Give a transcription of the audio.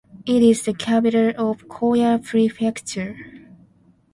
It is the capital of Coyah Prefecture.